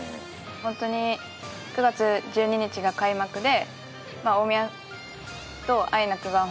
ホントに９月１２日が開幕で。